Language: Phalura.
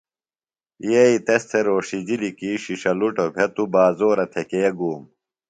یئی تس تھےۡ رھوݜِجِلیۡ کی ݜِݜَلُٹوۡ بھےۡ توۡ بازورہ تھےۡ کے گُوم۔